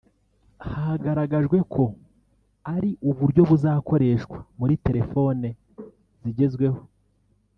Hagaragajwe ko ari uburyo buzakoreshwa muri telefone zigezweho